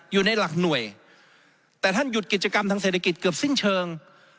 อยู่ในหลักหน่วยแต่ท่านหยุดกิจกรรมทางเศรษฐกิจเกือบสิ้นเชิง